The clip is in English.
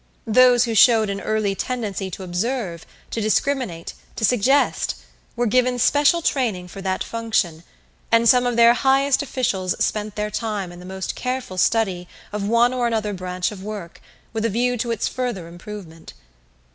Those who showed an early tendency to observe, to discriminate, to suggest, were given special training for that function; and some of their highest officials spent their time in the most careful study of one or another branch of work, with a view to its further improvement.